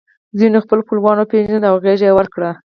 ځینو خپل خپلوان وپېژندل او غېږه یې ورکړه